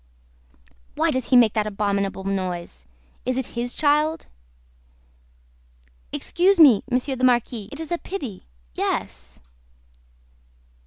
"Why does he make that abominable noise? Is it his child?" "Excuse me, Monsieur the Marquis it is a pity yes."